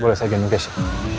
boleh saya jalanin ke keisha